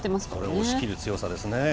押し切る強さですね。